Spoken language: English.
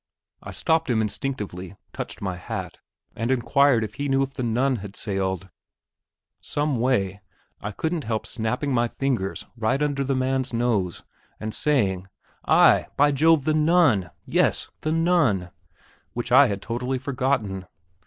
I stopped him instinctively, touched my hat, and inquired if he knew if the Nun had sailed. Someway, I couldn't help snapping my fingers right under the man's nose, and saying, "Ay, by Jove, the Nun; yes, the Nun!" which I had totally forgotten.